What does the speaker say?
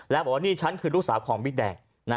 แล้วบอกว่านี่ฉันคือลูกสาวของบิ๊กแดง